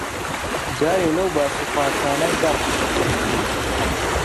جارێ لەو باسوخواسانە گەڕێ!